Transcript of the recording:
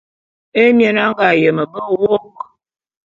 Émien a nga yeme be wôk.